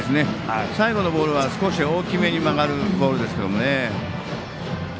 最後のボールは少し大きめに曲がるボールでした。